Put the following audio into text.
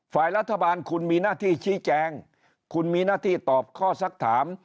ฝ่ายรัฐบาลคุณมีหน้าที่ชี้แจงคุณมีหน้าที่ตอบข้อสักถาม